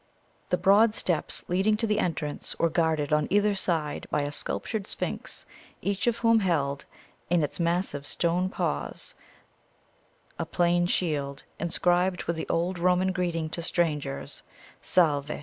The broad steps leading to the entrance were guarded on either side by a sculptured Sphinx, each of whom held, in its massive stone paws, a plain shield, inscribed with the old Roman greeting to strangers, "Salve!"